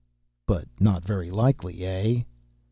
"But not very likely, eh?"